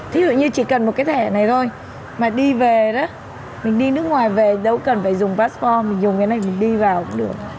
thí dụ như chỉ cần một cái thẻ này thôi mà đi về đó mình đi nước ngoài về đâu cần phải dùng pashore mình dùng cái này mình đi vào cũng được